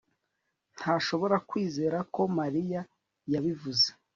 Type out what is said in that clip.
ntashobora kwizera ko mariya yabivuze